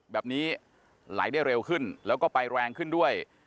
แบบนี้ไหลได้เร็วขึ้นแล้วก็ไปแรงขึ้นด้วย